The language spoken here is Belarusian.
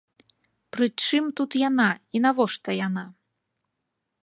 Прычым тут яна і навошта яна?